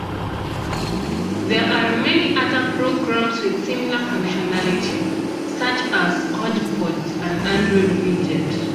There are many other programs with similar functionality, such as HodgePodge, an Android widget.